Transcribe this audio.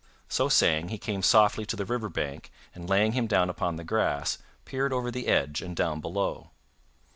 So saying, he came softly to the river bank and laying him down upon the grass, peered over the edge and down below.